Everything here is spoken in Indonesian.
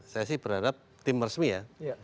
saya sih berharap tim resmi ya